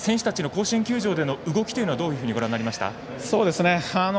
選手たちの甲子園球場での動きというのはどうご覧になりました？